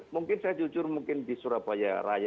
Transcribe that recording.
mungkin saya jujur mungkin di surabaya raya